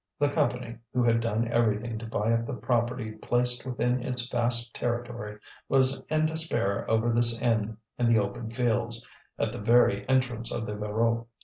The Company, who had done everything to buy up the property placed within its vast territory, was in despair over this inn in the open fields, at the very entrance of the Voreux.